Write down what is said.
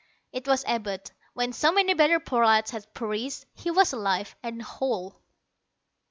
It was Abud. When so many better prolats had perished, he was alive and whole.